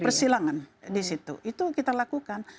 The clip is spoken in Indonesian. persilangan di situ itu kita lakukan